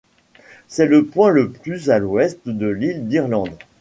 C'est le point le plus à l'ouest de l’île d’Irlande.